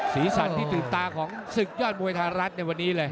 สีสันที่ถึงตาของศึกย่านมวยธารัสในวันนี้เลย